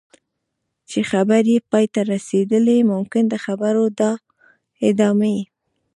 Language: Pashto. چې خبرې یې پای ته رسېدلي ممکن د خبرو د ادامې.